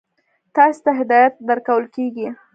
تاسې ته هدایت درکول کیږي.